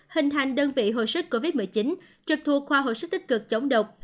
hình thành đơn vị hồi sức covid một mươi chín trực thuộc khoa hồi sức tích cực chống độc